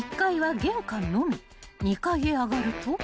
［２階へ上がると］